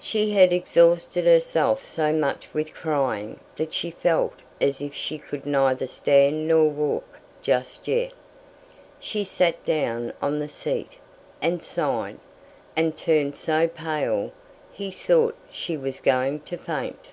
She had exhausted herself so much with crying, that she felt as if she could neither stand nor walk just yet. She sate down on the seat, and sighed, and turned so pale, he thought she was going to faint.